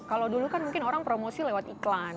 kalau dulu kan mungkin orang promosi lewat iklan